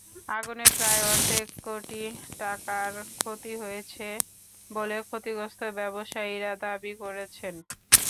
আগুনে প্রায় অর্ধকোটি টাকার ক্ষতি হয়েছে বলে ক্ষতিগ্রস্ত ব্যবসায়ীরা দাবি করেছেন।